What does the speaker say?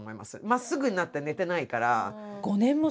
まっすぐになって寝てないから。